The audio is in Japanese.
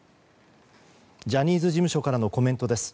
ジャニーズ事務所からのコメントです。